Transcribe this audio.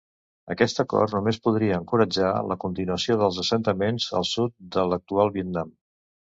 Aquest acord només podria encoratjar la continuació dels assentaments al sud de l'actual Vietnam.